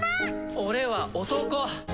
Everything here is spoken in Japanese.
俺は男！